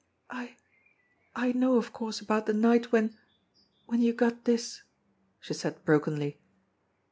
"I I know of course about the night when when you got this," she said brokenly.